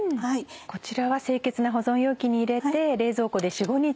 こちらは清潔な保存容器に入れて。